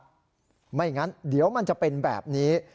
ไม่งั้นเดี๋ยวมันจะเป็นแบบนี้